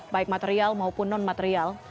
baik material maupun non material